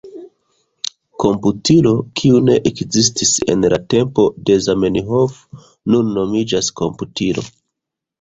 Komputilo, kiu ne ekzistis en la tempo de Zamenhof, nun nomiĝas komputilo.